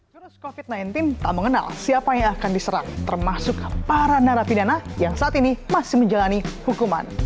jurus covid sembilan belas tak mengenal siapa yang akan diserang termasuk para narapidana yang saat ini masih menjalani hukuman